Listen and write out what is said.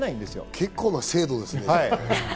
結構な精度ですね。